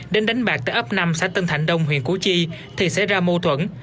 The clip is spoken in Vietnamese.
đến đánh bạc tại ấp năm xã tân thạnh đông huyện củ chi thì xảy ra mâu thuẫn